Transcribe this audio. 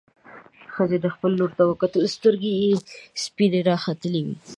ښځې خپلې لور ته وکتل، سترګې يې سپينې راختلې وې.